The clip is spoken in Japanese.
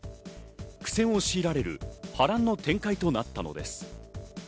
苦戦をしいられる波乱の展開となったのです。